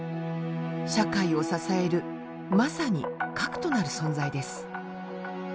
社会を支えるまさに核となる存在です。